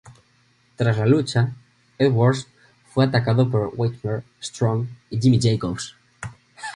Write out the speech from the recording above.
Tras la lucha, Edwards fue atacado por Whitmer, Strong y Jimmy Jacobs.